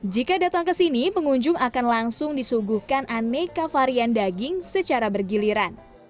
jika datang ke sini pengunjung akan langsung disuguhkan aneka varian daging secara bergiliran